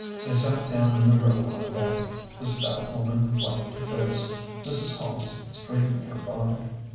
They sat down in a row on a bank ; the stout woman wiped her face ; Mrs. Holmes straightened her bonnet.